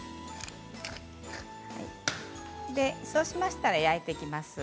そうしましたら焼いていきます。